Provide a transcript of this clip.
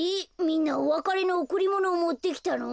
みんなおわかれのおくりものをもってきたの？